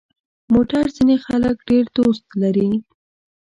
موټر ځینې خلک ډېر دوست لري.